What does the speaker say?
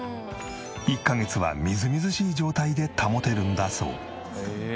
１カ月はみずみずしい状態で保てるんだそう。